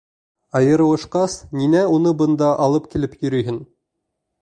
Айырылышҡас, ниңә уны бында алып килеп йөрөйһөң?